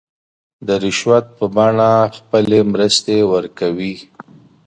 د رشوت په بڼه خپلې مرستې ورکوي.